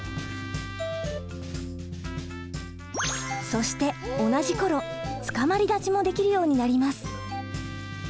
そして同じ頃「つかまり立ち」もできるようになります。